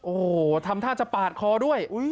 โอ้โหทำท่าจะปาดคอด้วย